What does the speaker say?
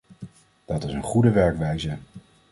Dat is een goede werkwijze.